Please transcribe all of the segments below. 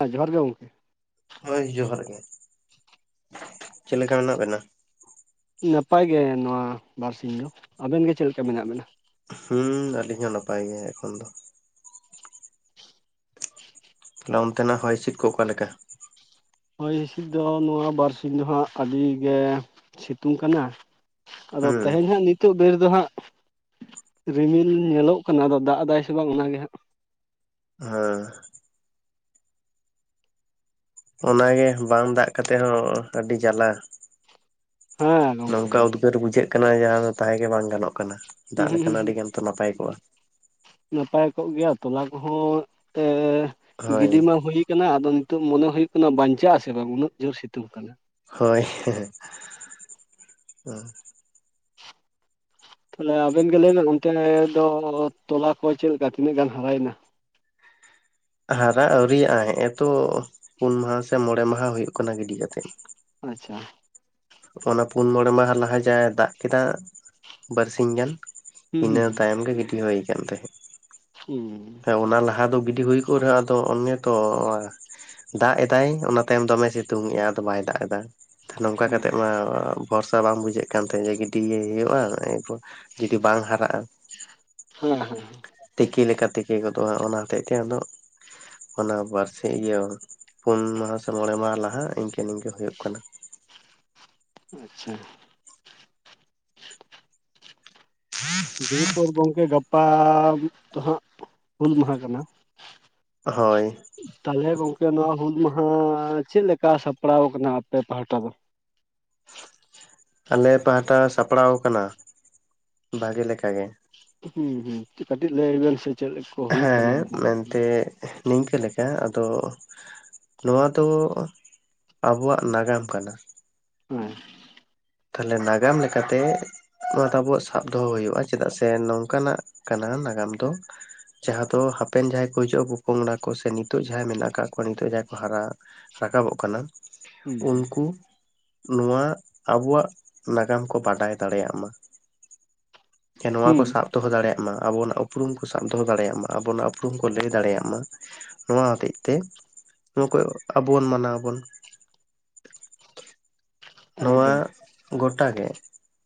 ᱦᱮᱸ ᱡᱚᱦᱟᱨ ᱜᱮ ᱜᱚᱢᱠᱮ ᱦᱳᱭ ᱡᱚᱦᱟᱨ ᱜᱮ ᱪᱮᱫ ᱞᱮᱠᱟ ᱦᱮᱱᱟᱜ ᱵᱮᱱᱟ? ᱱᱟᱯᱟᱭ ᱜᱮ ᱱᱚᱣᱟ ᱵᱟᱨᱥᱤᱧ ᱫᱚ᱾ ᱟᱵᱮᱱ ᱜᱮ ᱪᱮᱫ ᱞᱮᱠᱟ ᱢᱮᱱᱟᱜ ᱵᱮᱱᱟ? ᱦᱩᱸ ᱟᱞᱤᱧ ᱦᱚᱸ ᱱᱟᱯᱟᱭ ᱜᱮ ᱮᱠᱷᱚᱱ ᱫᱚ ᱟᱫᱚ ᱚᱱᱛᱮᱱᱟᱜ ᱦᱚᱭ ᱦᱤᱥᱤᱫ ᱠᱚ ᱚᱠᱟᱞᱮᱠᱟ? ᱦᱚᱭ ᱦᱤᱥᱤᱫ ᱫᱚ ᱱᱚᱣᱟ ᱵᱟᱨᱥᱤᱧ ᱫᱚ ᱦᱟᱸᱜ ᱟᱹᱰᱤ ᱜᱮ ᱥᱤᱛᱩᱝ ᱠᱟᱱᱟ᱾ ᱟᱫᱚ ᱦᱩᱸ ᱛᱮᱦᱮᱧ ᱦᱟᱸᱜ ᱱᱤᱛ ᱱᱤᱛᱚᱜ ᱵᱮᱲ ᱫᱚ ᱦᱟᱸᱜ ᱨᱤᱢᱤᱞ ᱧᱮᱞᱚᱜ ᱠᱟᱱᱟ ᱟᱫᱚ ᱫᱟᱜ ᱮᱫᱟᱭ ᱥᱮ ᱵᱟᱝ ᱚᱱᱟᱜᱮ ᱦᱟᱸᱜ [unintelligible] ᱚᱱᱟᱜᱮ ᱵᱟᱝ ᱫᱟᱜ ᱠᱟᱛᱮᱜ ᱦᱚᱸ ᱟᱹᱰᱤ ᱡᱟᱞᱟ ᱦᱮᱸ ᱜᱚᱢᱠᱮ ᱱᱚᱝᱠᱟ ᱩᱫᱽᱜᱟᱹᱨ ᱵᱩᱡᱷᱟᱹᱜ ᱠᱟᱱᱟ ᱡᱟᱦᱟᱸ ᱫᱚ ᱛᱟᱦᱮᱸᱜᱮ ᱵᱟᱝ ᱜᱟᱱᱚᱜ ᱠᱟᱱᱟ ᱫᱟᱜ ᱞᱮᱠᱷᱟᱱ ᱟᱹᱰᱤᱜᱟᱱ ᱛᱚ ᱱᱟᱯᱟᱭ ᱠᱚᱜᱼᱟ᱾ ᱱᱟᱯᱟᱭ ᱠᱚᱜ ᱜᱮᱭᱟ ᱛᱚᱞᱟ ᱠᱚᱦᱚᱸ ᱚᱱᱛᱮ ᱦᱳᱭ ᱜᱤᱰᱤ ᱢᱟ ᱦᱩᱭ ᱠᱟᱱᱟ ᱟᱫᱚ ᱱᱤᱛᱚᱜ ᱢᱚᱱᱮ ᱦᱩᱭᱩᱜ ᱠᱟᱱᱟ ᱵᱟᱧᱪᱟᱜ ᱟᱥᱮ ᱵᱟᱝ ᱩᱱᱟᱹᱜ ᱡᱳᱨ ᱥᱤᱛᱩᱝ ᱠᱟᱱᱟ ᱦᱳᱭ ᱛᱟᱦᱞᱮ ᱟᱵᱮᱱ ᱜᱮ ᱞᱟᱹᱭᱵᱮᱱ ᱚᱱᱛᱮ ᱫᱚ ᱛᱚᱞᱟ ᱠᱚ ᱪᱮᱫ ᱞᱮᱠᱟ ᱛᱤᱱᱟᱹᱜ ᱜᱟᱱ ᱦᱟᱨᱟᱭᱮᱱᱟ? ᱦᱟᱨᱟ ᱟᱹᱣᱨᱤᱭᱟᱜᱼᱟ ᱦᱮᱸᱜᱼᱮ ᱛᱚ ᱯᱩᱱ ᱢᱟᱦᱟ ᱥᱮ ᱢᱚᱬᱮ ᱢᱟᱦᱟ ᱦᱩᱭᱩᱜ ᱠᱟᱱᱟ ᱜᱤᱰᱤ ᱠᱟᱛᱮ᱾ ᱟᱪᱪᱷᱟ ᱚᱱᱟ ᱯᱩᱱ ᱢᱚᱬᱮ ᱢᱟᱦᱟ ᱞᱟᱦᱟ ᱡᱟᱭ ᱫᱟᱜ ᱠᱮᱫᱟ ᱵᱟᱨᱥᱤᱧ ᱜᱟᱱ ᱤᱱᱟᱹ ᱦᱩᱸ ᱛᱟᱭᱚᱢ ᱜᱮ ᱜᱤᱰᱤ ᱦᱳᱭ ᱠᱟᱱ ᱛᱟᱦᱮᱸᱫ [unintelligible] ᱦᱮᱸ ᱚᱱᱟ ᱞᱟᱦᱟ ᱫᱚ ᱜᱤᱰᱤ ᱦᱩᱭ ᱠᱚᱜ ᱨᱮᱦᱚᱸ ᱟᱫᱚ ᱚᱱᱮ ᱛᱚ ᱫᱟᱜ ᱮᱫᱟᱭ ᱚᱱᱟ ᱛᱟᱭᱚᱢ ᱫᱚᱢᱮ ᱥᱤᱛᱩᱝ ᱮᱜᱼᱟ ᱟᱫᱚ ᱵᱟᱭ ᱫᱟᱜ ᱮᱫᱟ ᱦᱩᱸ ᱱᱚᱝᱠᱟ ᱦᱩᱸ ᱠᱟᱛᱮ ᱵᱷᱚᱨᱥᱟ ᱵᱟᱝ ᱵᱩᱡᱷᱟᱹᱜ ᱠᱟᱱ ᱛᱟᱦᱮᱸᱫ ᱡᱮ ᱜᱤᱰᱤᱭᱮ ᱦᱩᱭᱩᱜᱼᱟ ᱮᱨᱯᱚᱨ ᱡᱩᱫᱤ ᱵᱟᱝ ᱦᱟᱨᱟᱜᱼᱟ ᱦᱮᱸ ᱦᱮᱸ ᱛᱤᱠᱤ ᱞᱮᱠᱟ ᱛᱤᱠᱤ ᱜᱚᱫᱚᱜᱼᱟ ᱚᱱᱟ ᱦᱚᱛᱮᱜ ᱛᱮ ᱟᱫᱚ ᱚᱱᱟ ᱵᱟᱨ ᱥᱤᱧ ᱤᱭᱟᱹ ᱯᱩᱱ ᱢᱟᱦᱟ ᱥᱮ ᱢᱚᱬᱮ ᱢᱟᱦᱟ ᱞᱟᱦᱟ ᱤᱱᱠᱟᱹ ᱱᱤᱝᱠᱟ ᱦᱩᱭᱩᱜ ᱠᱟᱱᱟ ᱟᱪᱪᱷᱟ ᱫᱤᱭᱮᱯᱚᱨ ᱜᱚᱝᱠᱮ ᱜᱟᱯᱟ ᱫᱚ ᱦᱟᱸᱜ ᱦᱩᱞ ᱢᱟᱦᱟ ᱠᱟᱱᱟ ᱦᱳᱭ ᱛᱟᱦᱚᱞᱮ ᱜᱚᱝᱠᱮ ᱱᱚᱣᱟ ᱦᱩᱞ ᱢᱟᱦᱟ ᱪᱮᱫᱞᱮᱠᱟ ᱥᱟᱯᱲᱟᱣ ᱟᱠᱟᱱᱟ ᱟᱯᱮ ᱯᱟᱦᱴᱟ ᱫᱚ ᱟᱞᱮ ᱯᱟᱦᱴᱟ ᱥᱟᱯᱲᱟᱣ ᱠᱟᱱᱟ ᱵᱷᱟᱜᱤ ᱞᱮᱠᱟ ᱜᱮ ᱦᱩᱸ ᱦᱩᱸ ᱠᱟᱹᱴᱤᱡ ᱞᱟᱹᱭ ᱵᱮᱱ ᱥᱮ ᱪᱮᱫ ᱠᱚ ᱦᱩᱭᱩᱜ ᱠᱟᱱᱟ ᱦᱮᱸ ᱵᱟᱝ ᱢᱮᱱᱛᱮ ᱱᱤᱝᱠᱟᱹ ᱞᱮᱠᱟ ᱟᱫᱚ ᱱᱚᱣᱟ ᱫᱚ ᱟᱵᱚᱣᱟᱜ ᱱᱟᱜᱟᱢ ᱠᱟᱱᱟ [unintelligible] ᱛᱟᱦᱚᱞᱮ ᱱᱟᱜᱟᱢ ᱞᱮᱠᱟᱛᱮ ᱚᱱᱟ ᱛᱚ ᱟᱵᱚᱣᱟᱜ ᱥᱟᱵ ᱫᱚᱦᱚ ᱦᱩᱭᱩᱜᱼᱟ ᱪᱮᱫᱟᱜ ᱥᱮ ᱱᱚᱝᱠᱟᱱᱟᱜ ᱠᱟᱱᱟ ᱱᱟᱜᱟᱢ ᱫᱚ ᱡᱟᱦᱟᱸ ᱫᱚ ᱦᱟᱯᱮᱱ ᱡᱟᱦᱟᱸᱭ ᱠᱚ ᱦᱤᱡᱩᱜᱼᱟ ᱯᱚᱯᱚᱝᱲᱟ ᱠᱚ ᱥᱮ ᱱᱤᱛᱚᱜ ᱡᱟᱦᱟᱸᱭ ᱢᱮᱱᱟᱜ ᱠᱟᱜᱠᱚ ᱱᱤᱛ ᱡᱟᱦᱟᱸᱭ ᱠᱚ ᱦᱟᱨᱟ ᱨᱟᱠᱟᱵᱚᱜ ᱠᱟᱱᱟ ᱦᱩᱸ ᱦᱩᱸ ᱩᱱᱠᱩ ᱱᱚᱣᱟ ᱟᱵᱚᱣᱟᱜ ᱱᱟᱜᱟᱢ ᱠᱚ ᱵᱟᱰᱟᱭ ᱫᱟᱲᱮᱭᱟᱜ ᱢᱟ ᱥᱮ ᱱᱚᱣᱟ ᱠᱚ ᱦᱩᱸ ᱥᱟᱵ ᱫᱚᱦᱚ ᱫᱟᱲᱮᱭᱟᱜ ᱢᱟ ᱟᱵᱚᱱᱟᱜ ᱩᱯᱨᱩᱢ ᱠᱚ ᱥᱟᱵ ᱫᱚᱦᱚ ᱫᱟᱲᱮᱭᱟᱜ ᱢᱟ ᱟᱵᱚᱱᱟᱜ ᱩᱯᱨᱩᱢ ᱠᱚ ᱞᱟᱹᱭ ᱫᱟᱲᱮᱭᱟᱜ ᱢᱟ ᱱᱚᱣᱟ ᱦᱚᱛᱮᱜ ᱛᱮ ᱱᱚᱣᱟ ᱠᱚ ᱟᱵᱚ ᱵᱚᱱ ᱢᱟᱱᱟᱣᱟᱵᱚᱱ ᱱᱚᱣᱟ ᱮᱠᱫᱚᱢ ᱜᱚᱴᱟᱮ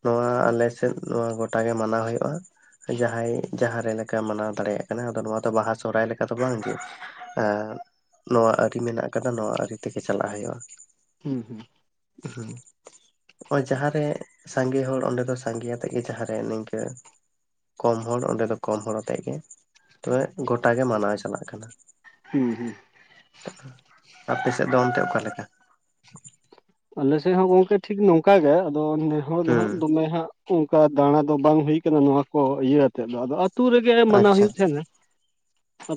ᱱᱚᱣᱟ ᱟᱞᱮᱥᱮᱫ ᱱᱚᱣᱟ ᱜᱚᱴᱟ ᱜᱮ ᱢᱟᱱᱟᱣ ᱦᱩᱭᱩᱜᱼᱟ ᱡᱟᱦᱟᱸᱭ ᱡᱟᱦᱟᱸᱨᱮ ᱞᱮᱠᱟ ᱢᱟᱱᱟᱣ ᱫᱟᱲᱮᱭᱟᱜ ᱠᱟᱱᱟ ᱟᱫᱚ ᱱᱚᱣᱟ ᱫᱚ ᱵᱟᱦᱟ ᱥᱚᱦᱨᱟᱭ ᱞᱮᱠᱟ ᱫᱚ ᱵᱟᱝᱜᱮ ᱡᱮ ᱮ ᱱᱚᱣᱟ ᱟᱹᱨᱤ ᱢᱮᱱᱟᱜ ᱟᱠᱟᱫᱟ ᱱᱚᱣᱟ ᱟᱹᱨᱤ ᱛᱮᱜᱮ ᱪᱟᱞᱟᱜ ᱦᱩᱭᱩᱜᱼᱟ ᱦᱩᱸ ᱦᱩᱸ ᱦᱩᱸ᱾ ᱱᱚᱜᱚᱭ ᱡᱟᱦᱟᱸ ᱨᱮ ᱥᱟᱸᱜᱮ ᱦᱚᱲ ᱚᱸᱰᱮ ᱫᱚ ᱥᱟᱸᱜᱮᱭᱟᱛᱮᱜ ᱜᱮ ᱡᱟᱦᱟᱸᱨᱮ ᱱᱤᱝᱠᱟ. ᱠᱚᱢ ᱦᱚᱲ ᱚᱸᱰᱮ ᱫᱚ ᱠᱚᱢ ᱦᱚᱲ ᱟᱛᱮᱜ ᱜᱮ ᱛᱚᱵᱮ ᱜᱚᱴᱟ ᱜᱮ ᱢᱟᱱᱟᱣ ᱪᱟᱞᱟᱜ ᱠᱟᱱᱟ᱾ ᱦᱩᱸ ᱦᱩᱸ᱾ ᱟᱯᱮ ᱥᱮᱫ ᱫᱚ ᱚᱱᱛᱮ ᱚᱠᱟᱞ ᱞᱮᱠᱟ? ᱟᱞᱮᱥᱮᱫ ᱦᱚᱸ ᱜᱚᱝᱠᱮ ᱴᱷᱤᱠ ᱱᱚᱝᱠᱟ ᱜᱮ ᱟᱫᱚ ᱱᱮ ᱦᱚᱲ ᱫᱚ ᱦᱟᱸᱜ ᱦᱩᱸ ᱫᱚᱢᱮ ᱦᱟᱸᱜ ᱚᱝᱠᱟ ᱫᱟᱬᱟ ᱫᱚ ᱵᱟᱝ ᱦᱩᱭ ᱠᱟᱱᱟ ᱱᱚᱣᱟ ᱠᱚ ᱤᱭᱟᱹ ᱟᱛᱮᱫ ᱫᱚ ᱟᱫᱚ ᱟᱨ ᱟᱹᱛᱩᱳ ᱨᱮᱜᱮ ᱢᱟᱱᱟᱣ ᱟᱪᱪᱷᱟ ᱦᱩᱭᱩᱜ ᱛᱟᱦᱮᱸᱱᱟ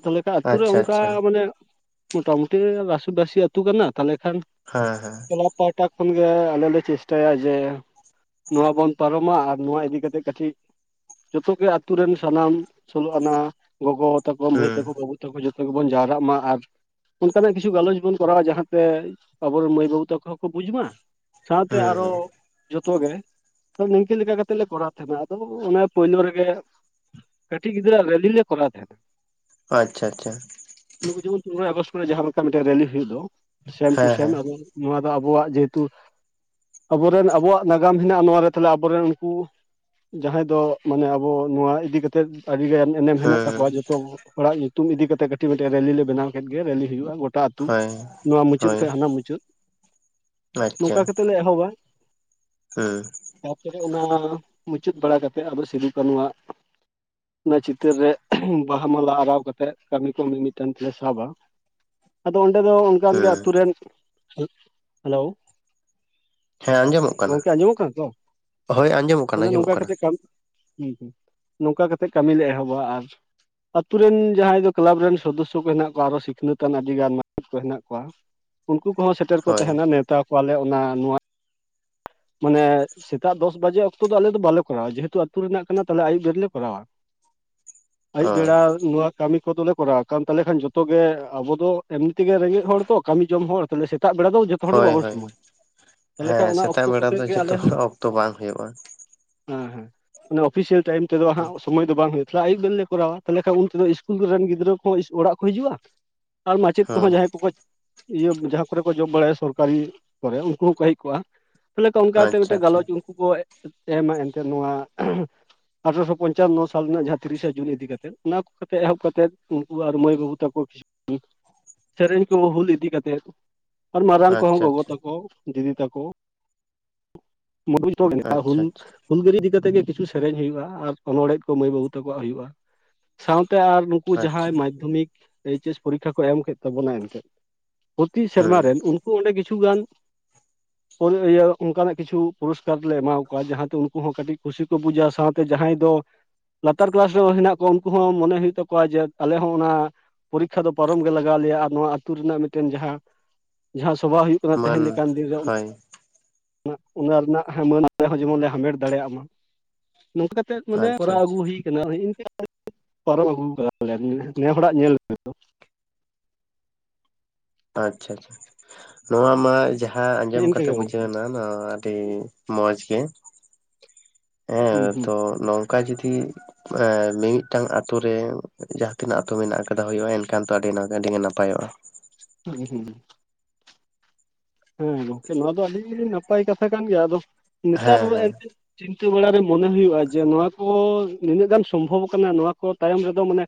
ᱛᱟᱦᱚᱞᱮ ᱠᱷᱟ ᱟᱛᱳ ᱨᱮ ᱟᱪᱪᱷᱟ ᱚᱱᱠᱟ ᱟᱪᱪᱷᱟ ᱢᱟᱱᱮ ᱢᱚᱴᱟᱢᱩᱴᱤ ᱨᱟᱥᱤᱵᱟᱹᱥᱤ ᱟᱹᱛᱩ ᱠᱟᱱᱟ ᱛᱟᱦᱚᱞᱮ ᱠᱷᱟᱱ ᱦᱮᱸ ᱦᱮᱸ᱾ [unintelligible] ᱯᱟᱦᱴᱟ ᱠᱷᱚᱱ ᱜᱮ ᱟᱞᱮ ᱞᱮ ᱪᱮᱥᱴᱟᱭᱟ ᱡᱮ ᱱᱚᱣᱟ ᱵᱚᱱ ᱯᱟᱨᱚᱢᱟ ᱟᱨ ᱱᱚᱣᱟ ᱤᱫᱤ ᱠᱟᱛᱮ ᱠᱟᱹᱴᱷᱤ ᱡᱚᱛᱚ ᱜᱮ ᱟᱛᱩ ᱨᱮᱱ ᱥᱟᱱᱟᱢ ᱥᱳᱞᱳ ᱟᱱᱟ ᱜᱚᱜᱚ ᱛᱟᱠᱚ ᱢᱟᱹᱭ ᱦᱩᱸ ᱛᱟᱠᱚ ᱵᱟᱹᱵᱩ ᱛᱟ ᱛᱟᱠᱚ ᱡᱚᱛᱚ ᱜᱮᱵᱚᱱ ᱡᱟᱣᱨᱟᱜ ᱢᱟ ᱟᱨ ᱚᱱᱠᱟᱱᱟᱜ ᱠᱤᱪᱷᱩ ᱜᱟᱞᱚᱪ ᱵᱚᱱ ᱠᱚᱨᱟᱣᱟ ᱡᱟᱦᱟᱸᱛᱮ ᱟᱵᱚᱨᱮᱱ ᱢᱟᱹᱭ ᱵᱟᱹᱵᱩ ᱛᱟᱠᱚ ᱠᱚ ᱵᱩᱡᱷ ᱢᱟ ᱥᱟᱶᱛᱮ ᱦᱩᱸ ᱟᱨᱚ ᱡᱚᱛᱚ ᱜᱮ ᱛᱷᱚ ᱱᱤᱝᱠᱟᱹ ᱞᱮᱠᱟ ᱠᱟᱛᱮᱜ ᱞᱮ ᱠᱚᱨᱟᱣ ᱛᱟᱦᱮᱱᱟ ᱟᱫᱚ ᱚᱱᱮ ᱯᱳᱭᱞᱳ ᱨᱮᱜᱮ ᱠᱟᱹᱴᱤᱡ ᱜᱤᱫᱽᱨᱟᱹ ᱟ ᱞᱮᱞᱤ ᱞᱮ ᱠᱚᱨᱟᱣ ᱛᱮᱦᱮᱱᱟ᱾ ᱟᱪᱪᱷᱟ ᱟᱪᱪᱷᱟ᱾ ᱠᱩ ᱡᱮᱢᱚᱱ ᱯᱚᱱᱨᱚᱭ ᱟᱜᱚᱥᱴ ᱠᱚᱨᱮ ᱡᱟᱦᱟᱸ ᱞᱮᱠᱟ ᱢᱤᱫᱮᱱ ᱨᱮᱞᱤ ᱦᱩᱭᱩᱜ ᱫᱚ ᱥᱮᱢ ᱴᱩ ᱦᱮᱸ ᱥᱮᱢ ᱦᱮᱸ ᱟᱵᱚ ᱱᱚᱣᱟ ᱟᱵᱚᱣᱟᱜ ᱡᱮᱦᱮᱛᱩ ᱟᱵᱚᱨᱮᱱ ᱟᱵᱚᱣᱟᱜ ᱱᱟᱜᱟᱢ ᱦᱮᱱᱟᱜᱼᱟ ᱱᱚᱣᱟᱨᱮ ᱛᱟᱦᱚᱞᱮ ᱟᱵᱚᱨᱮᱱ ᱩᱱᱠᱩ ᱡᱟᱦᱟᱸᱭ ᱫᱚ ᱢᱟᱱᱮ ᱟᱵᱚ ᱱᱚᱣᱟ ᱤᱫᱤ ᱠᱟᱛᱮᱫ ᱟᱹᱰᱤᱜᱟᱱ ᱮᱱᱢ ᱦᱮᱱᱟᱜ ᱦᱩᱸ ᱛᱟᱠᱚᱣᱟ ᱡᱚᱛᱚ ᱦᱚᱲᱟᱜ ᱧᱩᱛᱩᱢ ᱤᱫᱤ ᱠᱟᱛᱮᱜ ᱠᱟᱹᱴᱤᱡ ᱢᱤᱫᱴᱮᱡ ᱨᱮᱞᱤᱤ ᱞᱮ ᱵᱮᱱᱟᱣ ᱠᱮᱫᱜ ᱜᱮ ᱨᱮᱹᱤ ᱦᱩᱭᱩᱜᱼᱟ ᱜᱚᱴ ᱴᱟᱜ ᱟᱹᱛᱩ ᱦᱳᱭ ᱱᱚᱣᱟ ᱢᱩᱪᱟᱹᱫ ᱦᱳᱭ ᱠᱷᱡ ᱦᱟᱱᱟ ᱢᱩᱪᱟᱹᱫ ᱱᱚᱝᱠᱟ ᱠᱟᱛᱮᱫ ᱞᱮ ᱮᱦᱚᱵᱟ᱾ ᱦᱮᱸ᱾ ᱛᱟᱯᱚᱨᱮ ᱚᱱᱟ ᱢᱩᱪᱟᱹᱫ ᱵᱟᱲᱟ ᱠᱟᱛᱮᱫ ᱟᱫᱚ ᱥᱤᱫᱩ ᱠᱟ. ᱱᱩᱣᱟᱜ ᱚᱱᱟ ᱪᱤᱛᱟᱹᱨ ᱨᱮ ᱵᱟᱦᱟ ᱢᱟᱞᱟ ᱟᱨᱟᱣ ᱠᱟᱛᱮᱫ, ᱠᱟᱹᱢᱤ ᱠᱚ ᱢᱤᱼᱢᱤᱫᱴᱟᱝ ᱛᱮᱞᱮ ᱥᱟᱵᱟ᱾ ᱟᱫᱚ ᱚᱸᱰᱮ ᱫᱚ ᱚᱱ ᱠᱟᱱ ᱜᱮ ᱦᱩᱸ ᱟᱛᱩ ᱨᱮᱱ, ᱟᱹᱜ ᱦᱮᱞᱳ ᱦᱮᱸ ᱟᱸᱡᱚᱢᱚᱜ ᱠᱟᱱᱟ ᱜᱚᱝᱠᱮ ᱟᱸᱡᱚᱢᱚᱜ ᱠᱟᱱᱟ ᱛᱚ? ᱦᱳᱭ ᱟᱸᱡᱚᱢᱚᱜ ᱠᱟᱱᱟ ᱛᱟᱦᱚᱞᱮ ᱟᱸᱡᱚᱢᱚᱜ ᱱᱚᱝᱠᱟ ᱠᱟᱱᱟ ᱠᱟᱛᱮᱜ ᱠᱟᱹᱢᱤ ᱦᱩᱸ ᱦᱩᱸ ᱱᱚᱝᱠᱟ ᱠᱟᱛᱮᱜ ᱠᱟᱹᱢᱤ ᱞᱮ ᱮᱦᱚᱵᱟ ᱟᱨ ᱟᱛᱩᱨᱮᱱ ᱡᱟᱦᱟᱸᱭ ᱫᱚ ᱠᱞᱟᱵᱽ ᱨᱮᱱ ᱥᱚᱫᱚᱥᱥᱚ ᱠᱚ ᱦᱮᱱᱟᱜ ᱠᱚᱣᱟ ᱟᱨᱚ ᱥᱤᱠᱷᱱᱟᱹᱛᱟᱱ ᱟᱹᱰᱤᱜᱟᱱ ᱢᱟᱥᱴᱟᱨ ᱠᱚ ᱦᱮᱱᱟᱜ ᱠᱚᱣᱟ ᱠᱚ ᱦᱚᱸ ᱥᱮᱴᱮᱨ ᱠᱚ ᱦᱳᱭ ᱛᱟᱦᱮ ᱱᱟ, ᱱᱮᱶᱛᱟ ᱠᱚᱣᱟ ᱞᱮ ᱚᱱᱟ ᱱᱚᱣᱟᱼᱢᱟᱱᱮ ᱥᱮᱛᱟᱜ ᱫᱚᱥ ᱵᱟᱡᱮ ᱚᱠᱛᱚ ᱫᱚ ᱟᱞᱮ ᱫᱚ ᱵᱟᱞᱮ ᱠᱚᱨᱟᱣᱟ, ᱡᱮᱦᱮᱛᱩ ᱟ ᱟᱹᱛᱩ ᱨᱮᱱᱟᱜ ᱠᱟᱱᱟ ᱛᱟᱦᱞᱮ ᱟᱹᱭᱩᱵ ᱫᱷᱟᱹᱨᱤᱡ ᱞᱮ ᱠᱚᱨᱟᱣᱟ᱾ ᱚ ᱟᱹᱭᱩᱵ ᱵᱮᱲᱟ ᱱᱚᱣᱟ ᱠᱟᱹᱢᱤ ᱠᱚᱫᱚᱞᱮ ᱠᱚᱨᱟᱣ, ᱠᱟᱱ ᱛᱟᱦᱚᱞᱮ ᱠᱷᱟᱱ ᱡᱷᱚᱛᱚ ᱜᱮ, ᱟᱵᱚ ᱫᱚ ᱮᱢᱱᱤᱛᱮᱜᱮ ᱨᱮᱸᱜᱮᱡ ᱦᱚᱲ ᱛᱚ ᱠᱟᱹᱢᱤ ᱡᱚᱝ ᱦᱚᱲ ᱛᱟᱦ [unintelligible] ᱥᱮᱛᱟᱜ ᱵᱮᱲᱟ ᱫᱚ ᱡᱷᱚᱛᱚ ᱦᱚᱲ ᱫᱚ ᱦᱳᱭ ᱵᱟᱵᱚᱱ ᱦᱳᱭ ᱥᱚᱢᱚᱭ, ᱛᱟᱦᱚᱞᱮ ᱦᱮᱸ ᱠᱷᱟᱜ ᱚᱱᱟ ᱥᱮᱛᱟᱜ ᱚᱠᱛᱚ ᱵᱮᱲᱟ ᱠᱟᱛᱮᱜ ᱫᱚ ᱜᱮ ᱟᱞᱮ ᱡᱚᱛᱚ ᱦᱚᱸ ᱚᱠᱛᱚ ᱵᱟᱝ ᱦᱩᱭᱩᱜᱼᱟ ᱦᱮᱸ ᱦᱮᱸ ᱚᱲᱟ ᱚᱯᱷᱤᱥᱤᱭᱟᱞ ᱴᱟᱭᱤᱢ ᱛᱮᱫᱚ ᱦᱟᱸᱜ ᱥᱚᱢᱚᱭ ᱫᱚ ᱵᱟᱝ ᱦᱩᱭᱩᱜ ᱛᱟᱭᱡᱚᱲᱚ ᱠᱚᱨᱟᱣᱟ ᱛᱟᱦᱚᱞᱮ ᱠᱷᱟᱱ ᱩᱱᱛᱮ ᱫᱚ ᱤᱥᱠᱩᱞᱨᱮᱱ ᱜᱤᱫᱽᱨᱟᱹ ᱠᱚ ᱤᱥ ᱚᱲᱟᱜ ᱠᱚ ᱦᱤᱡᱩᱜᱼᱟ᱾ ᱟᱨ ᱢᱟᱪᱮᱫ ᱠᱚᱦᱚᱸ ᱦᱮᱸ ᱡᱟᱦᱟᱸᱭ ᱠᱚᱠᱚ ᱤᱭᱟᱹ ᱡᱟᱦᱟ ᱠᱚᱨᱮ ᱠᱚ ᱡᱚᱜ ᱵᱟᱲᱟᱭᱟ ᱥᱚᱨᱠᱟᱨᱤ ᱠᱚᱨᱮ ᱩᱱᱠᱩ ᱦᱚᱸᱠᱚ ᱦᱮᱡ ᱠᱚᱜᱼᱟ, ᱛᱟᱦᱚᱞᱮ ᱛᱚ ᱚᱱᱠᱟᱼᱟᱛᱮ ᱟᱪᱪᱷᱟ ᱢᱤᱫᱴᱮᱡ ᱟᱪᱪᱷᱟ ᱜᱟᱞᱚᱪ ᱠᱩᱼᱠᱚ ᱮᱜᱼᱮᱢᱟ ᱮᱱᱛᱮᱫ ᱱᱚᱣᱟ ᱟᱴᱷᱨᱚᱥᱚ ᱯᱚᱧᱪᱟᱱᱚ ᱥᱟᱞ ᱨᱮᱱᱟᱜ ᱡᱟᱦᱟᱸ ᱛᱤᱨᱤᱥᱟ ᱡᱩᱱ ᱤᱫᱤ ᱠᱟᱛᱮᱫ, ᱚᱱᱟ ᱠᱚ ᱠᱟᱛᱮᱜ ᱮᱦᱚᱵ ᱠᱟᱛᱮᱫ ᱩᱱ ᱠᱩ ᱟᱨ ᱢᱟᱹᱭ ᱵᱟᱹᱵᱩ ᱛᱟᱠᱚ ᱩᱸᱜ ᱥᱮᱨᱮᱧ ᱠᱚᱦᱚᱸ ᱦᱩᱞ ᱤᱫᱤ ᱠᱟᱛᱮᱜ᱾ ᱟᱨ ᱢᱟᱨᱟᱝ ᱠᱚ ᱦᱚᱸ ᱟᱪᱪᱷᱟ ᱜᱚ ᱜᱚ ᱟᱪᱪᱷᱟ ᱛᱟ ᱠᱚ ᱫᱤᱫᱤ ᱛᱟᱠᱚ [unintelligible] [unintelligible] ᱦᱩᱞ ᱟᱪᱪᱷᱟ ᱟᱪᱪᱷᱟ ᱦᱩᱞ ᱜᱟᱹᱨᱤ ᱤᱫᱤ ᱠᱟᱛᱮᱜ ᱜᱮ ᱠᱤᱪᱷᱩ ᱥᱮᱨᱮᱧ ᱦᱩᱭᱩᱜᱼᱟ ᱟᱨ ᱚᱱᱚᱲ ᱦᱮ ᱠᱚ ᱢᱟᱹᱭ ᱵᱟᱹᱵᱩ ᱛᱟᱠᱚ ᱣᱟᱜ ᱦᱩᱭᱩᱜᱼᱟ᱾ ᱥᱟᱶᱛᱮ ᱟᱨ ᱱᱩᱠᱩ ᱡᱟᱦᱟᱸᱭ ᱟᱪᱪᱷᱟ ᱢᱟᱫᱽᱫᱷᱚᱢᱤᱠ ᱮᱭᱤᱪ. ᱮᱥ. ᱯᱚᱨᱤᱠᱠᱷᱟ ᱠᱚ ᱮᱢ ᱠᱮᱫ ᱛᱟᱵᱚᱱᱟ ᱮᱱᱛᱮᱫ ᱛᱤ ᱥᱮᱨᱢᱟ ᱦᱩᱸ ᱨᱮᱱ, ᱩᱱᱠᱩ ᱚᱸᱰᱮ ᱠᱤᱪᱷᱩᱜᱟᱱ ᱦᱚᱭ ᱤᱭᱟᱹ ᱚᱱᱠᱟ ᱱᱟᱜ ᱠᱤᱪᱷᱩ ᱯᱩᱨᱚᱥ ᱠᱟᱨ ᱞᱮ ᱮᱢᱟ ᱠᱚᱣᱟ ᱡᱟᱦᱟ ᱛᱮ ᱩᱱᱠᱩ ᱦᱚᱸ ᱠᱟᱹᱴᱤᱡ ᱠᱩᱥᱤ ᱠᱚ ᱵᱩᱡᱟ ᱥᱟᱶ ᱛᱮ ᱡᱟᱦᱟᱸᱭ ᱫᱚ ᱞᱟᱛᱟᱨ ᱠᱮᱞᱟᱥ ᱨᱮ ᱦᱚᱸ ᱦᱮ ᱱᱟᱜ ᱠᱚᱣᱟ, ᱩᱱᱠᱩ ᱦᱚᱸ ᱢᱚᱱᱮ ᱦᱩᱭᱩᱜ ᱛᱟ ᱠᱚᱣᱟ ᱡᱮ ᱟᱞᱮ ᱦᱚᱸ ᱚᱱᱟ ᱯᱚᱨᱤᱠᱠᱷᱟ ᱫᱚ ᱯᱟᱨᱚᱢ ᱜᱮ ᱞᱟᱜᱟᱣᱼᱟᱞᱮᱭᱟ᱾ᱟᱨ ᱱᱚᱣᱟ ᱟᱹᱛᱩ ᱨᱮᱱᱟᱜ ᱢᱤᱫᱴᱮᱱ ᱡᱟᱦᱟᱸ ᱡᱟᱦᱟᱸ ᱥᱚᱵᱷᱟ ᱦᱩᱭᱩᱜ ᱠᱟᱱᱟ ᱛᱮ ᱢᱟᱱ ᱦᱮᱧ ᱞᱮᱠᱟᱱ ᱫᱤᱱ ᱨᱮ ᱩ ᱦᱳᱭ ᱚᱱᱟ, ᱚᱱᱟᱼᱨᱮᱱᱟᱜ ᱦᱟ ᱢᱟᱹᱱ ᱦᱚᱸ [unintelligible] ᱡᱮᱢᱚᱱ ᱞᱮ ᱦᱟᱢᱮᱴ ᱫᱟᱲᱮᱭᱟᱜ ᱢᱟ, ᱱᱚᱝᱠᱟᱼᱠᱟᱛ ᱥᱮᱫ, ᱢᱟᱱᱮ ᱟᱪᱪᱷᱟ ᱠᱚᱨᱟᱣ ᱟᱹᱜᱩ ᱟᱪᱪᱷᱟ ᱦᱩᱭ [unintelligible] ᱤᱱᱠᱟᱹ ᱯᱟᱨᱚᱢ ᱟᱹᱜᱩ ᱠᱟᱫᱟᱞᱮ ᱱᱮ ᱦᱚᱲᱟᱜ ᱧᱮᱞ ᱛᱮᱫᱚ᱾ ᱟᱪᱪᱷᱟ ᱟᱪᱪᱷᱟ, ᱱᱚᱣᱟ ᱢᱟ ᱡᱟᱦᱟᱸ ᱦᱮᱸ ᱟᱸᱡᱚᱢ ᱤᱱᱠᱟᱹ ᱠᱟᱛᱮ ᱜᱮ ᱵᱩ ᱡᱷᱟᱹᱣ ᱜᱚᱝᱠᱮ ᱮᱱᱟ ᱱᱚᱣᱟ ᱟᱹᱰᱤ ᱢᱚᱸᱡᱽᱜᱮ ᱦᱩᱸ ᱦᱮᱸ ᱦᱩᱸ ᱛᱚ, ᱱᱚᱝᱠᱟ ᱡᱩᱫᱤ ᱮ, ᱢᱤᱼᱢᱤᱫᱴᱟᱝ ᱟᱛᱩᱨ ᱨᱮ ᱡᱟᱦᱟᱸᱛᱤᱱᱟᱹᱜ ᱟᱛᱩ ᱢᱮᱱᱟᱜ ᱠᱟᱫᱟ, ᱦᱩᱭᱩᱜᱼᱟ ᱮᱱᱠᱷᱟᱱ ᱛᱚ ᱟᱹᱰᱤᱼᱱᱟ ᱚᱹᱰᱤᱜᱮ ᱱᱟᱯᱟᱭᱚᱜᱼᱟ᱾ ᱦᱩᱸ ᱦᱩᱸ᱾ ᱦᱮᱸ ᱜᱚᱝᱠᱮ ᱱᱚᱣᱟ ᱫᱚ ᱟᱹᱰᱤ ᱱᱟᱯᱟᱭ ᱠᱟᱛᱷᱟ ᱠᱟᱱ ᱜᱮᱭᱟ ᱟᱫᱚ, ᱱᱮᱛᱟᱨ ᱦᱮᱸ ᱦᱮᱸ ᱮᱱ ᱛᱮᱫ ᱪᱤᱱᱛᱟᱹ ᱵᱟᱲᱟ ᱨᱮ ᱢᱚᱱᱮ ᱦᱩᱭᱩᱜᱼᱟ ᱡᱮ, ᱱᱚᱣᱟ ᱠᱚ ᱱᱤᱱᱟᱹᱜ ᱜᱟᱱ ᱥᱚᱢ ᱵᱷᱚᱵ ᱠᱟᱱᱟ ᱱᱚᱣᱟ ᱠᱚ ᱛᱟᱭᱚᱢ ᱨᱮ ᱫᱚ ᱢᱟᱱᱮ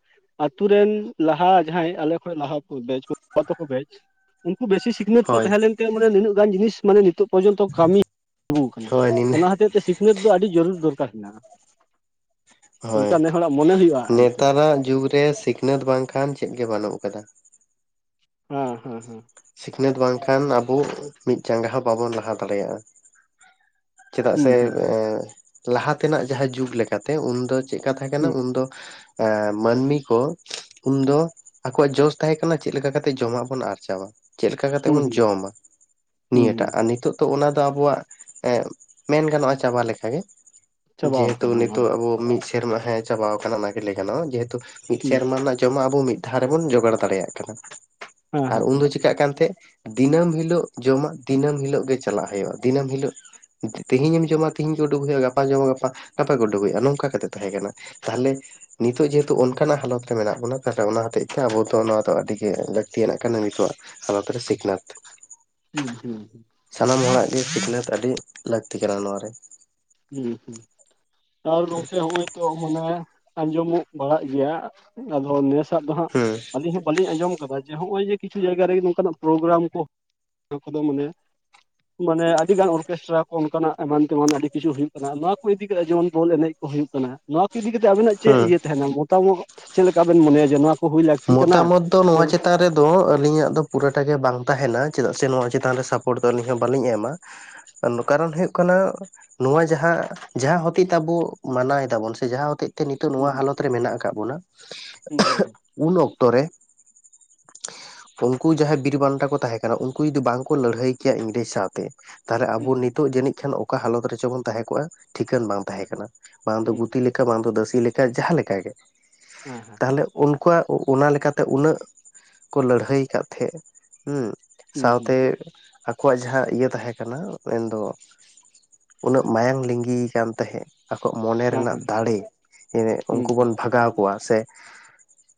ᱟᱛᱩ ᱨᱮᱱ ᱞᱟᱦᱟ ᱡᱟᱦᱟᱸᱭ ᱟᱞᱮ ᱠᱷᱚᱡ ᱞᱟᱦᱟ ᱠᱚ ᱵᱮᱪ ᱵᱟᱵᱟ ᱛᱟᱠᱚ ᱵᱮᱪ ᱩᱱᱠᱩ ᱵᱮᱥᱤ ᱥᱤᱠᱷᱱᱟᱹᱛ ᱠᱚ ᱦᱳᱭ ᱛᱟᱦᱮᱸ ᱞᱮᱱᱛᱮ ᱢᱟᱱᱮ, ᱱᱤᱱᱟᱹᱜ ᱜᱟᱱ ᱡᱤᱱᱤᱥ ᱢᱟᱱᱮ ᱱᱤᱛᱚᱜ ᱯᱚᱨᱡᱚᱱᱛᱚ ᱠᱟᱹᱢᱤ ᱟᱹᱜᱩ ᱦᱳᱭ ᱱᱤᱱᱟᱹ ᱠᱟᱱᱟ᱾ᱚᱱᱟ ᱦᱚᱛᱮᱡ ᱛᱮ ᱥᱤᱠᱷᱱᱟᱹᱛ ᱫᱚ ᱟᱹᱰᱤ ᱡᱟᱹᱨᱩᱨ ᱫᱚᱨᱠᱟᱨ ᱦᱮᱱᱟᱜᱼᱟ᱾ ᱦᱚᱭ, ᱚᱱᱠᱟ ᱱᱮ ᱦᱚᱲᱟᱜ ᱢᱚᱱᱮ ᱦᱩᱭᱩᱜᱼᱟ ᱮᱱᱛᱮᱫ ᱱᱮᱛᱟᱨ ᱟᱜ ᱡᱩᱜᱽ ᱨᱮ ᱥᱤᱠᱷ ᱱᱟᱹᱛ ᱵᱟᱝ ᱠᱷᱟᱱ ᱪᱮᱫ ᱜᱮ ᱵᱟᱹᱱᱩᱜ ᱠᱟᱫᱟ᱾ ᱦᱮᱸ ᱦᱮᱸ ᱦᱮᱸ᱾ ᱥᱤᱠᱷᱱᱟᱹᱛ ᱵᱟᱝᱠᱷᱟᱱ ᱟᱵᱚ, ᱢᱤᱫ ᱡᱟᱸᱜᱟ ᱦᱚᱸ ᱵᱟᱵᱚᱱ ᱞᱟᱦᱟ ᱫᱟᱲᱮᱭᱟᱜᱼᱟ᱾ ᱪᱮᱫᱟᱜ ᱥᱮ ᱦᱩᱸ ᱦᱩᱸ ᱮᱼᱞᱟᱦᱟ ᱛᱮᱱᱟᱜ ᱡᱟᱦᱟᱸ ᱡᱩᱜᱽ ᱞᱮᱠᱟ ᱠᱟᱛᱮ, ᱩᱱᱫᱚ ᱪᱮᱫᱠᱟ ᱛᱷᱟᱦᱮᱸ ᱠᱟᱱᱟ? ᱦᱩᱸ ᱩᱱᱫᱚ ᱮᱸ ᱢᱟᱹᱱᱢᱤ ᱠᱚ, ᱩᱱᱫᱚ ᱟᱠᱚᱣᱟᱜ ᱡᱚᱥ ᱛᱟᱦᱮ ᱠᱟᱱᱟ ᱪᱮᱫ ᱞᱮᱠᱟ ᱠᱟᱛᱮᱜ ᱡᱚᱢᱟᱜ ᱵᱚᱱ ᱟᱨᱡᱟᱣᱟ᱾ ᱪᱮᱫ ᱞᱮᱠᱟ ᱠᱟᱛᱮᱜ ᱦᱩᱸ ᱵᱚᱱ ᱦᱩᱸ ᱡᱚᱢᱟ ᱦᱩᱸ ᱱᱤᱭᱟᱹ ᱴᱟᱜ, ᱦᱩᱸ ᱟᱨ ᱱᱤᱛᱚᱜ ᱛᱚ ᱚᱱᱟ ᱫᱚ ᱟᱵᱚᱣᱟᱜ ᱢᱮᱱ ᱜᱟᱱᱚᱜᱼᱟ ᱪᱟᱵᱟ ᱞᱮᱠᱟᱜᱮ᱾ ᱪᱟᱵᱟᱣ ᱡᱮᱦᱮᱛᱩ ᱟᱠᱟᱱᱟ ᱚᱱᱟ ᱫᱚ ᱱᱤᱛᱚᱜ ᱟᱵᱚ ᱢᱤᱫ ᱥᱮᱨᱢᱟ ᱦᱮᱸ ᱪᱟᱵᱟᱣ ᱠᱟᱱᱟ ᱚᱱᱟᱜᱮ ᱞᱟᱹᱭ ᱜᱟᱱᱚᱜᱼᱟ᱾ ᱡᱮᱦᱮᱛᱩ ᱢᱤᱫ ᱦᱩᱸ ᱥᱮᱨᱢᱟ ᱨᱮᱱᱟᱜ ᱡᱚᱢᱟᱜ ᱟᱵᱚ ᱢᱤᱫ ᱫᱷᱟᱣ ᱨᱮ ᱵᱚᱱ ᱡᱚᱜᱟᱲ ᱫᱟᱲᱮᱭᱟᱜ ᱠᱟᱱᱟ ᱦᱮᱸ ᱟᱨ ᱦᱮᱸ ᱩᱱ ᱫᱚ ᱪᱤ, ᱪᱤᱠᱟᱜ ᱠᱟᱱ ᱛᱮ ᱫᱤᱱᱟᱹᱢ ᱦᱤᱞᱳᱜ ᱡᱚᱢᱟᱜ ᱫᱤᱱᱟᱹᱢ ᱦᱤᱞᱳᱜ ᱜᱮ ᱪᱟᱞᱟᱜ ᱦᱩᱭᱩᱜᱼᱟ ᱫᱤᱱᱟᱹᱢ ᱦᱤᱞᱳᱜᱼᱼ ᱛᱮᱦᱤᱧ ᱮᱢ ᱡᱚᱢᱟ ᱛᱮᱦᱤᱧ ᱜᱮ ᱩᱰᱩᱠ ᱦᱩᱭᱩᱜᱼᱟ ᱜᱟᱯᱟ ᱡᱚᱢᱟ ᱜᱟᱯᱟ ᱜᱟᱯᱟ ᱜᱮ ᱩᱰᱩᱠ ᱦᱩᱭᱩᱜᱼᱟ ᱱᱚᱝᱠᱟ ᱠᱟᱛᱮᱜ ᱛᱟᱸᱦᱮ ᱠᱟᱱᱟ᱾ ᱛᱟᱦᱞᱮ᱾ ᱱᱤᱛᱚᱜ ᱡᱮᱦᱮ ᱦᱩᱛᱩ ᱚᱱᱠᱟᱱᱟᱜ ᱦᱟᱞᱚᱛ ᱨᱮ ᱢᱮᱱᱟᱜ ᱵᱚᱱᱟ ᱛᱟᱦᱞᱮ ᱚᱱᱟ ᱦᱚᱛᱮᱡ ᱛᱮ ᱟᱵᱚ ᱫᱚ ᱚᱱᱟ ᱫᱚ ᱟᱹᱰᱤ ᱜᱮ ᱞᱟᱹᱠᱛᱤᱭᱟᱱᱟᱜ ᱠᱟᱱᱟ ᱱᱤᱛᱳᱜ ᱟᱜ᱾ ᱦᱟᱞᱚᱛ ᱨᱮ ᱥᱤᱠᱷᱱᱟᱹᱛ᱾ ᱦᱩᱸ ᱦᱩᱸ᱾ ᱥᱟᱱᱟᱢ ᱦᱚᱲᱟᱜ ᱜᱮ ᱥᱤᱠᱷᱱᱟᱹᱛ ᱟᱹᱰᱤ ᱞᱟᱹᱠᱛᱤ ᱠᱟᱱᱟ ᱱᱚᱣᱟ ᱨᱮ᱾ ᱦᱩᱸ ᱦᱩᱸ ᱛᱟᱣ ᱜᱚᱝᱠᱮ ᱦᱚᱜ-ᱚᱭ ᱛᱚ ᱚᱱᱟ ᱟᱸᱡᱚᱢᱚᱜ ᱵᱟᱲᱟᱜ ᱜᱮᱭᱟ ᱟᱫᱚ ᱱᱮᱥ [unintelligible] ᱫᱚ ᱦᱟᱜ ᱦᱩᱸ ᱟᱹᱞᱤᱧ ᱦᱚᱸ ᱵᱟᱹᱞᱤᱧ ᱟᱡᱚᱢ ᱠᱟᱫᱟ ᱡᱮ ᱦᱚᱜᱼᱚᱭ ᱡᱮ ᱠᱤᱪᱷᱩ ᱡᱟᱭᱜᱟ ᱨᱮᱜᱮ ᱱᱚᱝᱠᱟᱱᱟᱜ ᱯᱨᱳᱜᱨᱟᱢ ᱠᱚ ᱱᱚᱣᱟ ᱠᱚᱫᱚ ᱢᱟᱱᱮ ᱢᱟᱱᱮ ᱟᱹᱰᱤ ᱜᱟᱱ ᱚᱨᱠᱮᱥᱴᱨᱟ ᱠᱚ ᱚᱱᱠᱟᱱᱟᱜ ᱮᱢᱟᱱ ᱛᱮᱢᱟᱱ ᱟᱹᱰᱤ ᱠᱤᱪᱷᱩ ᱦᱩᱭᱩᱜ ᱠᱟᱱᱟ ᱱᱚᱭᱟ ᱠᱚ ᱤᱫᱤ ᱠᱟᱛᱮ ᱡᱮᱢᱚᱱ ᱵᱚᱞ ᱮᱱᱮᱡ ᱠᱚ ᱦᱩᱭᱩᱜ ᱠᱟᱱᱟ, ᱱᱚᱭᱟ ᱠᱚ ᱤᱫᱤ ᱠᱟᱛᱮᱜ ᱟᱵᱤᱱᱟᱜ ᱪᱮᱫ ᱦᱩᱸ ᱤᱭᱟᱹ ᱛᱟᱦᱮᱱᱟ ᱢᱚᱛᱟᱢᱚᱛ ᱪᱮᱫ ᱞᱮᱠᱟ ᱵᱮᱱ ᱢᱚᱱᱮᱭᱟᱡᱮ ᱱᱚᱣᱟᱼᱼ ᱢᱚᱛᱟᱢᱚᱛ ᱫᱚ ᱱᱚᱣᱟ ᱪᱮᱫ ᱪᱮᱛᱟᱱ ᱨᱮᱫᱚ ᱟᱹᱞᱤᱧᱟᱜ ᱫᱚ ᱯᱩᱨᱟᱹᱴᱟ ᱜᱮ ᱵᱟᱝ ᱛᱟᱦᱮᱱᱟ ᱪᱮᱫᱟᱜ ᱥᱮ ᱱᱚᱣᱟ ᱪᱮᱛᱟᱱ ᱨᱮ ᱥᱟᱯᱳᱨᱴ ᱫᱚ ᱟᱹᱞᱤᱧ ᱦᱚᱸ ᱵᱟᱞᱤᱧ ᱮᱢᱟ᱾ ᱠᱟᱨᱚᱱ ᱦᱳᱭᱳᱜ ᱠᱟᱱᱟ᱾ ᱱᱚᱣᱟ ᱡᱟᱦᱟ, ᱡᱟᱦᱟ ᱦᱚᱛᱮᱡ ᱟᱵᱚ ᱢᱟᱱᱟᱭ ᱫᱟᱵᱚᱱ ᱥᱮ ᱡᱟᱦᱟᱸ ᱦᱚᱛᱮᱡ ᱛᱮ ᱱᱤᱛᱳᱜ ᱦᱩᱸ ᱱᱚᱣᱟ ᱦᱟᱞᱚᱛ ᱨᱮ ᱢᱮᱱᱟᱜ ᱠᱟᱜ ᱵᱚᱱᱟ ᱦᱩᱸ ᱦᱩᱸ ᱩᱱ ᱚᱠᱛᱚ ᱨᱮ ᱩᱱᱠᱩ ᱡᱟᱦᱟᱭ ᱵᱤᱨ ᱵᱟᱱᱴᱟ ᱠᱚ ᱛᱟᱦᱮᱸ ᱠᱟᱱᱟ ᱩᱱᱠᱩ ᱡᱩᱫᱤ ᱵᱟᱝᱠᱚ ᱞᱟᱹᱲᱦᱟᱹᱭ ᱠᱮᱭᱟ ᱤᱝᱨᱮᱡᱽ ᱥᱟᱶᱛᱮ ᱛᱟᱦᱚᱞᱮ ᱦᱩᱸ ᱟᱵᱚ ᱱᱤᱛᱚᱜ ᱡᱟᱱᱤᱡ ᱠᱷᱟᱱ ᱚᱠᱟ ᱦᱟᱞᱚᱛ ᱨᱮᱪᱚ ᱵᱚᱱ ᱛᱟᱦᱮᱸ ᱠᱚᱜᱼᱟ ᱴᱷᱤᱠᱟᱹᱱ ᱵᱟᱝ ᱛᱟᱦᱮᱸ ᱠᱟᱱᱟ ᱵᱟᱝ ᱫᱚ ᱦᱩᱸ ᱦᱩᱸ ᱜᱩᱛᱤ ᱞᱮᱠᱟ ᱵᱟᱝ ᱫᱚ ᱫᱟᱹᱥᱤ ᱞᱮᱠᱟ ᱡᱟᱦᱟ ᱞᱮᱠᱟ ᱜᱮ᱾ ᱦᱮᱸ ᱦᱮᱸ᱾ ᱛᱟᱦᱞᱮ ᱩᱱᱠᱩᱣᱟᱜ ᱚᱱᱟ ᱞᱮᱠᱟᱛᱮ ᱩᱱᱟᱹᱜ ᱠᱚ ᱞᱟᱹᱲᱦᱟᱹᱭ ᱠᱟᱜ ᱛᱟᱦᱮᱜ ᱦᱩ ᱦᱮᱸ ᱥᱟᱶᱛᱮ ᱟᱠᱚᱣᱟᱜ ᱡᱟᱦᱟ ᱤᱭᱟᱹ ᱛᱟᱦᱮᱸ ᱠᱟᱱᱟ ᱢᱮᱱᱫᱚ ᱩᱱᱟᱹᱜ ᱢᱟᱭᱟᱝ ᱞᱤᱸᱜᱤ ᱠᱟᱱ ᱛᱟᱦᱮᱜ ᱟᱠᱚᱣᱟᱜ ᱢᱚᱱᱮ ᱨᱮᱱᱟᱜ ᱫᱟᱲᱮ ᱦᱩᱸ ᱩᱱᱠᱩ ᱦᱩᱸ ᱵᱚᱱ ᱵᱷᱟᱜᱟᱣ ᱠᱚᱣᱟ ᱥᱮ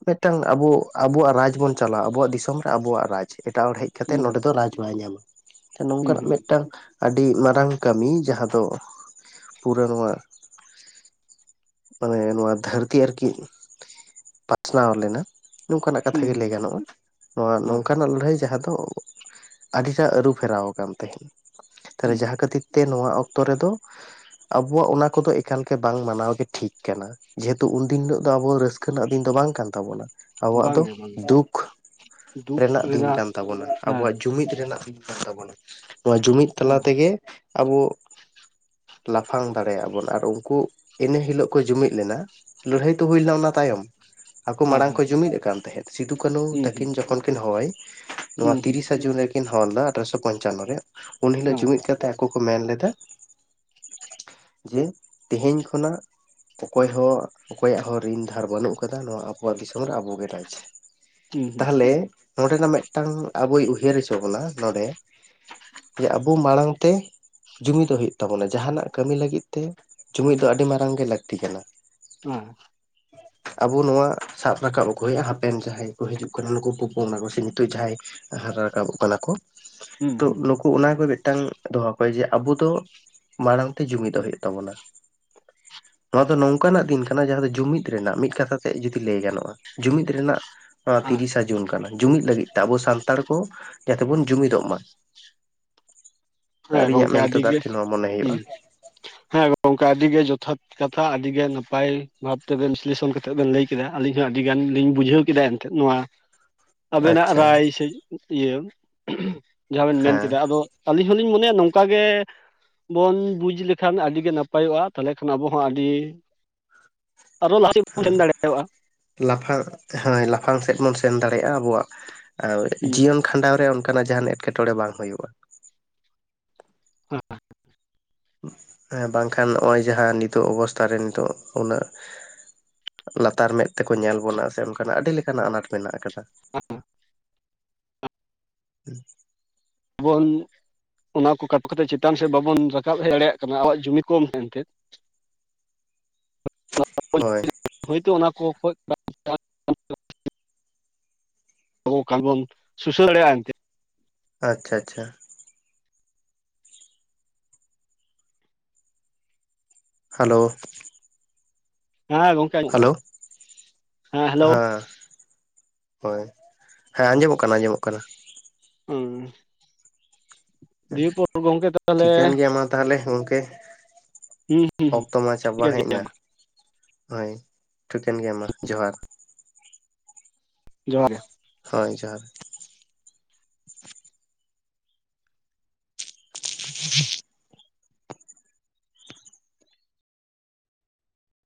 ᱢᱤᱫᱴᱟᱝ ᱟᱵᱚ ᱟᱵᱚᱣᱟᱜ ᱨᱟᱡᱽ ᱵᱚᱱ ᱪᱟᱞᱟᱣ ᱟᱵᱚᱣᱟᱜ ᱫᱤᱥᱚᱢ ᱨᱮ ᱟᱵᱚᱣᱟᱜ ᱨᱟᱡᱽ ᱮᱴᱟᱜ ᱦᱚᱲ ᱦᱮᱡ ᱠᱟᱛᱮ ᱦᱮᱸ ᱱᱚᱰᱮ ᱦᱮᱸ ᱫᱚ ᱨᱟᱡᱽ ᱵᱟᱭ ᱧᱟᱢᱟ ᱛᱚ ᱦᱩᱸ ᱦᱩᱸ ᱦᱩᱸ ᱱᱚᱝᱠᱟᱱᱟᱜ ᱢᱮᱫᱴᱟᱝ ᱟᱹᱰᱤ ᱢᱟᱨᱟᱝ ᱠᱟᱹᱢᱤ ᱡᱟᱦᱟ ᱫᱚ ᱯᱩᱨᱟᱹ ᱱᱚᱣᱟ ᱢᱟᱱᱮ ᱱᱚᱣᱟ ᱫᱷᱟᱹᱨᱛᱤ ᱟᱨᱠᱤ ᱯᱟᱥᱱᱟᱣ ᱞᱮᱱᱟ ᱱᱚᱝᱠᱟᱱᱟᱜ ᱦᱩᱸ ᱦᱩᱸ ᱦᱩᱸ ᱠᱟᱛᱷᱟ ᱦᱩᱸ ᱜᱮ ᱦᱩᱸ ᱞᱟᱹᱭ ᱜᱟᱱᱚᱜᱼᱟ ᱱᱚᱣᱟ ᱦᱩᱸ ᱱᱚᱝᱠᱟᱱᱟᱜ ᱞᱟᱹᱲᱦᱟᱹᱭ ᱡᱟᱦᱟ ᱫᱚ ᱟᱹᱰᱤᱴᱟᱜ ᱟᱹᱨᱩᱯᱷᱮᱨᱟᱣ ᱠᱟᱱ ᱛᱟᱦᱮᱜ, ᱛᱟᱦᱞᱮ ᱦᱮᱸ ᱡᱟᱦᱟ ᱠᱷᱟᱹᱛᱤ ᱛᱮ ᱱᱚᱣᱟ ᱚᱠᱛᱚ ᱨᱮᱫᱚ ᱟᱵᱚᱣᱟᱜ ᱚᱱᱟ ᱠᱚᱫᱚ ᱮᱠᱟᱞ ᱜᱮ ᱵᱟᱝ ᱢᱟᱱᱟᱣ ᱜᱮ ᱴᱷᱤᱠ ᱠᱟᱱᱟ ᱾ ᱡᱮᱦᱮ ᱦᱩᱛᱩ ᱩᱱᱫᱤᱱ ᱦᱤᱞᱳᱜ ᱫᱚ ᱟᱵᱚ ᱨᱟᱹᱥᱠᱟᱹ ᱨᱮᱱᱟᱜ ᱫᱤᱱ ᱫᱚ ᱵᱟᱝ ᱠᱟᱱ ᱛᱟᱵᱚᱱᱟ ᱦᱩᱸ ᱟᱵᱚᱣᱟᱜ ᱫᱚ ᱵᱟᱝᱜᱮ ᱵᱟᱝᱜᱮ ᱫᱩᱠ ᱨᱮᱱᱟᱜ ᱫᱤᱱ ᱠᱟᱱ ᱛᱟᱵᱚᱱᱟ ᱟᱵᱚᱣᱟᱜ ᱡᱩᱢᱤᱫ ᱨᱮᱱᱟᱜ ᱫᱤᱱ ᱠᱟᱱ ᱛᱟᱵᱚᱱᱟ ᱱᱚᱣᱟ ᱡᱩᱢᱤᱫ ᱛᱟᱞᱟ ᱛᱮᱜᱮ ᱟᱵᱚ ᱞᱟᱯᱷᱟᱝ ᱫᱟᱲᱮ ᱟᱵᱚᱱ ᱟᱨ ᱩᱱᱠᱩ ᱤᱱᱟᱹ ᱦᱤᱞᱳᱜ ᱠᱚ ᱡᱩᱢᱤᱫ ᱞᱮᱱᱟ ᱞᱟᱹᱲᱦᱟᱹᱭ ᱛᱚ ᱦᱳᱭ ᱞᱮᱱᱟ ᱚᱱᱟ ᱛᱟᱭᱚᱢ, ᱟᱠᱚ ᱢᱟᱲᱟᱝ ᱠᱚ ᱡᱩᱢᱤᱫ ᱟᱠᱟᱱ ᱛᱟᱦᱮᱫ ᱥᱤᱫᱩ ᱠᱟᱹᱱᱩ ᱛᱟᱹᱠᱤᱱ ᱡᱚᱠᱷᱚᱱ ᱠᱤᱱ ᱦᱚᱭ ᱱᱚᱣᱟ ᱛᱤᱨᱤᱥᱟ ᱡᱩᱱ ᱠᱤᱱ ᱦᱚ ᱞᱮᱫᱟ ᱟᱴᱷᱚᱨᱚᱥᱚ ᱯᱚᱧᱪᱟᱱᱱᱚ ᱨᱮ ᱩᱱ ᱦᱤᱞᱳᱜ ᱡᱩᱢᱤᱫ ᱠᱟᱛᱮᱜ ᱟᱠᱚ ᱠᱚ ᱢᱮᱱ ᱞᱮᱫᱟ ᱡᱮ ᱛᱮᱦᱮᱧ ᱠᱷᱚᱱᱟᱜ ᱚᱠᱚᱭ ᱦᱚᱸ ᱚᱠᱚᱭᱟᱜ ᱦᱚᱸ ᱨᱤᱱ ᱫᱷᱟᱨ ᱵᱟᱹᱱᱩᱜ ᱠᱟᱫᱟ ᱱᱚᱣᱟ ᱟᱵᱚᱣᱟᱜ ᱫᱤᱥᱚᱢ ᱨᱮ ᱟᱵᱚᱜᱮ ᱨᱟᱡᱽ, ᱛᱟᱦᱞᱮ ᱱᱚᱸᱰᱮ ᱱᱟᱜ ᱢᱮᱫᱴᱟᱝ ᱟᱵᱚᱭ ᱩᱭᱦᱟᱹᱨ ᱦᱚᱪᱚ ᱵᱚᱱᱟ ᱱᱚᱰᱮ ᱡᱮ ᱟᱵᱚ ᱢᱟᱲᱟᱝ ᱛᱮ ᱡᱩᱢᱤᱫᱚᱜ ᱦᱳᱭᱳᱜ ᱛᱟᱵᱚᱱᱟ ᱡᱟᱦᱟᱱᱟᱜ ᱠᱟᱹᱢᱤ ᱞᱟᱹᱜᱤᱫ ᱛᱮ ᱡᱩᱢᱤᱫ ᱫᱚ ᱟᱹᱰᱤ ᱢᱟᱨᱟᱝ ᱜᱮ ᱞᱟᱹᱠᱛᱤ ᱠᱟᱱᱟ ᱾ ᱮᱸ ᱟᱵᱚ ᱱᱚᱣᱟ ᱥᱟᱵ ᱨᱟᱠᱟᱵ ᱟᱠᱚ ᱦᱳᱭᱳᱜᱼᱟ ᱦᱟᱯᱮᱱ ᱡᱟᱦᱟᱭ ᱠᱚ ᱦᱤᱡᱩᱜ ᱠᱟᱱᱟ ᱱᱩᱠᱩ [unintelligible] ᱥᱮ ᱱᱤᱛᱚᱜ ᱡᱟᱦᱟᱸᱭ ᱦᱟᱨᱟ ᱨᱟᱠᱟᱵᱚᱜ ᱠᱟᱱᱟ ᱠᱚ ᱛᱚ ᱱᱩᱠᱩ ᱚᱱᱟ ᱠᱚ ᱢᱤᱫᱴᱟᱝ ᱫᱚᱦᱚ ᱠᱚᱭ ᱡᱮ ᱟᱵᱚ ᱫᱚ ᱢᱟᱲᱟᱝ ᱛᱮ ᱡᱩᱢᱤᱫᱚᱜ ᱦᱳᱭᱳᱜ ᱛᱟᱵᱚᱱᱟ, ᱱᱚᱣᱟ ᱫᱚ ᱱᱚᱝᱠᱟᱱᱟᱜ ᱫᱤᱱ ᱠᱟᱱᱟ ᱡᱟᱦᱟ ᱫᱚ ᱡᱩᱢᱤᱫ ᱨᱮᱱᱟᱜ ᱢᱤᱫ ᱠᱟᱛᱷᱟ ᱛᱮ ᱫᱤ ᱞᱟᱹᱭ ᱜᱟᱱᱚᱜᱼᱟ ᱡᱩᱢᱤᱫ ᱨᱮᱱᱟᱜ ᱱᱚᱣᱟ ᱛᱤᱨᱤᱥᱟ ᱡᱩᱱ ᱾ ᱡᱩᱢᱤᱫ ᱞᱟᱹᱜᱤᱫ ᱛᱮ ᱟᱵᱚ ᱥᱟᱱᱛᱟᱲ ᱠᱚ ᱡᱟᱛᱮ ᱵᱚᱱ ᱡᱩᱢᱤᱫᱚᱜ ᱢᱟ, ᱦᱮᱸ ᱟᱹᱨᱤᱧᱟᱹᱜ ᱜᱚᱝᱠᱮ ᱟᱹᱰᱤ ᱢᱮᱱᱛᱮᱫᱚ ᱜᱮ ᱟᱨᱠᱤ ᱱᱚᱣᱟ ᱢᱚᱱᱮ ᱦᱩᱭᱩᱜᱼᱟ ᱦᱩᱸ ᱾ ᱦᱮᱸ ᱜᱚᱝᱠᱮ ᱟᱹᱰᱤᱜᱮ ᱡᱚᱛᱷᱟᱛ ᱠᱟᱛᱷᱟ ᱟᱹᱰᱤ ᱜᱮ ᱱᱟᱯᱟᱭ ᱵᱷᱟᱵᱽ ᱛᱮᱵᱮᱱ ᱵᱤᱥᱞᱮᱥᱚᱱ ᱱᱤᱛᱚᱜ ᱵᱮᱱ ᱞᱟᱹᱭ ᱠᱮᱫᱟ ᱟᱞᱤᱧ ᱦᱚᱸ ᱟᱹᱰᱤ ᱜᱟᱱ ᱞᱤᱧ ᱵᱩᱡᱷᱟᱹᱣ ᱠᱮᱫᱟ ᱮᱱᱛᱮᱜ ᱱᱚᱣᱟ ᱟᱵᱮᱱᱟᱜ ᱟᱪᱪᱷᱟ ᱨᱟᱭ ᱥᱮ ᱤᱭᱟᱹ ᱡᱟᱦᱟᱸ ᱵᱮᱱ ᱢᱮᱱ ᱦᱮᱸ ᱠᱮᱫᱟ ᱟᱫᱚ ᱟᱹᱞᱤᱧ ᱟᱹᱞᱤᱧ ᱦᱚᱞᱤᱧ ᱢᱚᱱᱮᱭᱟ ᱱᱚᱝᱠᱟ ᱜᱮ ᱵᱚᱱ ᱵᱩᱡᱽ ᱞᱮᱠᱷᱟᱱ ᱟᱹᱰᱤᱜᱮ ᱱᱟᱯᱟᱭᱚᱜᱼᱟ ᱛᱟᱦᱞᱮ ᱠᱷᱟᱱ ᱟᱵᱚ ᱦᱚᱸ ᱟᱹᱰᱤ ᱟᱨᱚ ᱞᱟᱦᱟᱥᱮᱫ [unintelligible] ᱵᱚᱱ ᱦᱮᱸ ᱥᱮᱱ ᱫᱟᱲᱮᱭᱟᱜᱼᱟ ᱾ ᱞᱟᱯᱷᱟᱝ ᱦᱮᱭ ᱞᱟᱯᱷᱟᱝ ᱥᱮᱫ ᱵᱚᱱ ᱥᱮᱱ ᱫᱟᱲᱮᱜᱼᱟ ᱟᱵᱚᱣᱟᱜ ᱡᱤᱭᱚᱱ ᱠᱷᱟᱸᱰᱟᱣ ᱨᱮ ᱚᱱᱠᱟᱱᱟᱜ ᱡᱟᱦᱟᱱ ᱮᱴᱠᱮᱴᱚᱬᱮ ᱵᱟᱝ ᱦᱳᱭᱳᱜᱼᱟ, ᱵᱟᱝᱠᱷᱟᱱ ᱱᱚᱜᱼᱚᱭ ᱡᱟᱦᱟ ᱱᱤᱛᱚᱜ ᱚᱵᱚᱥᱛᱷᱟ ᱨᱮ ᱱᱤᱛᱚᱜ ᱩᱱᱟᱹᱜ ᱞᱟᱛᱟᱨ ᱢᱮᱫ ᱛᱮᱠᱚ ᱧᱮᱞ ᱵᱚᱱᱟ ᱥᱮ ᱚᱱᱠᱟᱱᱟᱜ ᱟᱹᱰᱤ ᱞᱮᱠᱟᱱᱟᱜ ᱟᱱᱟᱴ ᱢᱮᱱᱟᱜ ᱟᱠᱟᱫᱟ ᱾ [unintelligible] [unintelligible] ᱵᱚᱱ ᱚᱱᱟ ᱠᱚ ᱠᱟᱴᱚ ᱠᱟᱛᱮᱫ ᱪᱮᱛᱟᱱ ᱥᱮᱫ ᱵᱟᱵᱚᱱ ᱨᱟᱠᱟᱵ ᱦᱮᱡ ᱫᱟᱲᱮᱭᱟᱜ ᱠᱟᱱᱟ ᱟᱵᱣᱟᱜ ᱡᱩᱢᱤ ᱠᱚᱢ ᱢᱮᱱᱛᱮ ᱦᱳᱭ ᱦᱳᱭᱛᱳ ᱚᱱᱟ ᱠᱚ ᱠᱷᱚᱡ ᱟᱵᱚ [unintelligible] ᱵᱚᱱ ᱥᱩᱥᱟᱹᱨ ᱫᱟᱲᱮᱭᱟᱜᱼᱟ ᱮᱱᱛᱮ ᱟᱪᱪᱷᱟ ᱟᱪᱪᱷᱟ ᱦᱮᱞᱳ ᱦᱮᱸ ᱜᱚᱝᱠᱮ ᱟᱸᱡᱟᱢᱚᱜ ᱠᱟᱱᱟ ᱦᱮᱞᱳ ᱦᱮᱸ ᱦᱮᱞᱳ ᱦᱳᱭ ᱦᱮᱸ ᱟᱸᱡᱚᱢᱚᱜ ᱠᱟᱱᱟ ᱟᱸᱡᱚᱢᱚᱜ ᱠᱟᱱᱟ ᱦᱩᱸ ᱜᱚᱝᱠᱮ ᱛᱟᱦᱚᱞᱮ ᱴᱷᱤᱠᱟᱹᱱ ᱜᱮᱭᱟ ᱢᱟ ᱛᱟᱦᱞᱮ ᱜᱚᱢᱠᱮ ᱦᱩᱸ ᱦᱩᱸ ᱚᱠᱛᱚ ᱢᱟ ᱪᱟᱵᱟ ᱴᱷᱤᱠᱟᱹᱱ ᱦᱮᱡ ᱜᱮᱭᱟ ᱮᱱᱟ ᱢᱟ ᱦᱳᱭ ᱴᱷᱤᱠᱟᱹᱱ ᱜᱮᱭᱟ ᱢᱟ ᱡᱚᱦᱟᱨ ᱡᱚᱦᱟᱨ ᱜᱮ ᱦᱳᱭ ᱡᱚᱦᱟᱨ [unintelligible]